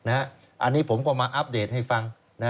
อันนี้ผมก็มาอัปเดตให้ฟัง